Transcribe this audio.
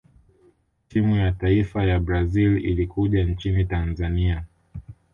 timu ya taifa ya brazil ilikuja nchini tanzania